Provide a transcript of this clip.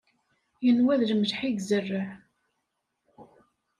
Inwa d lemleḥ i yezreɛ.